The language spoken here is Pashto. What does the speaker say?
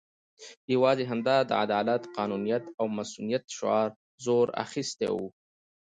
یوازې همدا د عدالت، قانونیت او مصونیت شعار زور اخستی وو.